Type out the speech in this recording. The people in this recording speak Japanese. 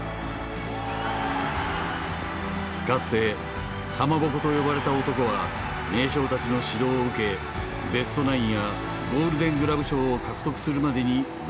かつて「かまぼこ」と呼ばれた男は名将たちの指導を受けベストナインやゴールデングラブ賞を獲得するまでに上り詰めた。